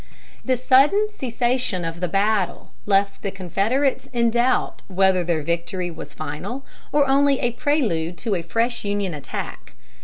The sudden cessation of the battle left the Confederates in doubt whether their victory was final, or only a prelude to a fresh Union attack.